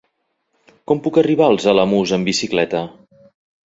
Com puc arribar als Alamús amb bicicleta?